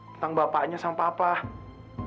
tentang bapaknya sama bapak